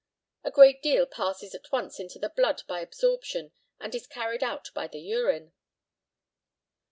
A great deal passes at once into the blood by absorption, and is carried out by the urine.